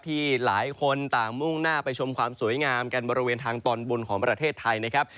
ที่หลายคนต่างมุ่งหน้าไปชมความสวยงามกันบริเวณทางตอนบนของประเทศไทยนะครับ